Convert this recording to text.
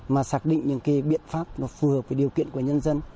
mà xác định những cái biện pháp nó phù hợp với điều kiện của nhân dân